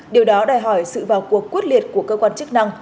điều đó đòi hỏi sự vào cuộc quyết liệt của cơ quan chức năng